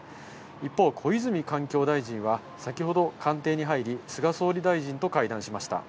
一方、小泉環境大臣は先ほど官邸に入り、菅総理大臣と会談しました。